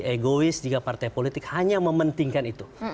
egois jika partai politik hanya mementingkan itu